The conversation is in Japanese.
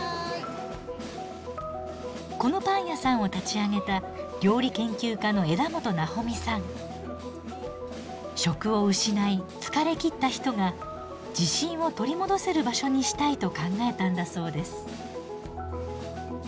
このパン屋さんを立ち上げた職を失い疲れきった人が自信を取り戻せる場所にしたいと考えたんだそうです。